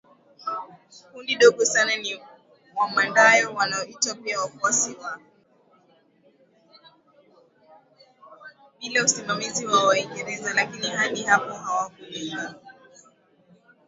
bila usimamizi wa Waingereza Lakini hadi hapo hawakulenga